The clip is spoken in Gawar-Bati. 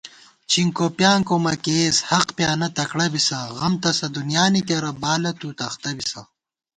چِنکوپیانکو مہ کېئیس ، حق پیانہ تکڑہ بِسہ * غم تسہ دُنیانی کېرہ بالہ تُو تختہ بِسہ